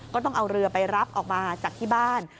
ต้องเอาเรือไปรับออกมาจากที่บ้าน